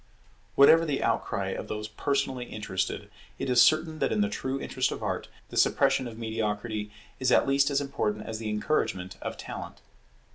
Whatever the outcry of those personally interested, it is certain that in the true interest of Art the suppression of mediocrity is at least as important as the encouragement of talent.